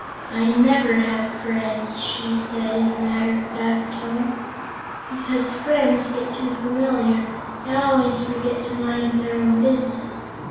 "I never have friends," she said in a matter of fact tone, "because friends get too familiar and always forget to mind their own business.